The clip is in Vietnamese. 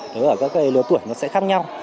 đối với cả các lứa tuổi nó sẽ khác nhau